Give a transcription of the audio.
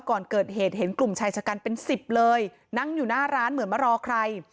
ก่อนเกิดเหตุเห็นกลุ่มชายชะกันเป็นสิบเลยนั่งอยู่หน้าร้านเหมือนมารอใคร